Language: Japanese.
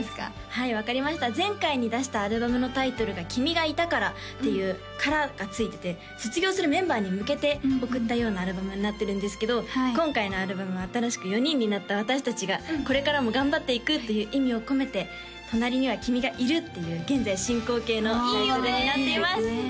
はい分かりました前回に出したアルバムのタイトルが「君がいたから」っていう「から」が付いてて卒業するメンバーに向けて贈ったようなアルバムになってるんですけど今回のアルバムは新しく４人になった私達がこれからも頑張っていくという意味を込めて「隣には君がいる。」っていう現在進行形のタイトルになっています